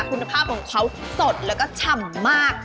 คุณภาพของเขาสดแล้วก็ฉ่ำมาก